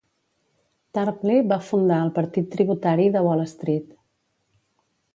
Tarpley va fundar el Partit Tributari de Wall Street.